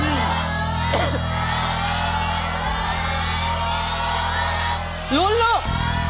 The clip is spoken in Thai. หลุนลูก